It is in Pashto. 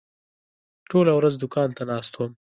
ټوله ورځ دوکان ته ناست وم.